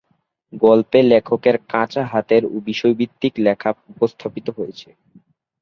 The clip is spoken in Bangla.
গল্পে লেখকের কাঁচা হাতের ও বিষয়ভিত্তিক লেখা উপস্থাপিত হয়েছে।